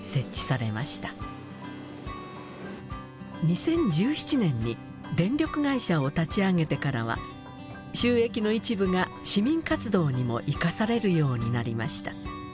２０１７年に電力会社を立ち上げてからは収益の一部が市民活動にも生かされるようになりました。